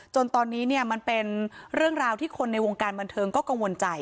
จนตอนนี้เนี่ยมันเป็นเรื่องราวที่คนในวงการบันเทิงก็กังวลใจ